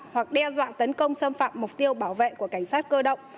hoặc đe dọa tấn công xâm phạm mục tiêu bảo vệ của cảnh sát cơ động